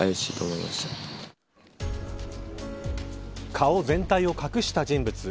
顔全体を隠した人物。